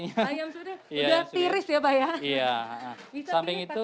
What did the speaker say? ayam sudah tiris ya pak ya